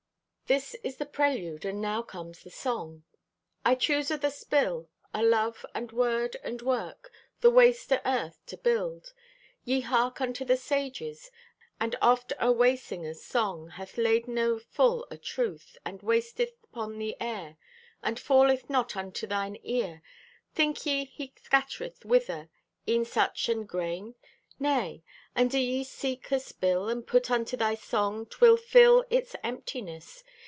This is the prelude and now comes the song: I choose o' the spill O' love and word and work, The waste o' earth, to build. Ye hark unto the sages, And oft a way singer's song Hath laden o'erfull o' truth, And wasteth 'pon the air, And falleth not unto thine ear. Think ye He scattereth whither E'en such an grain? Nay. And do ye seek o' spill And put unto thy song, 'Twill fill its emptiness.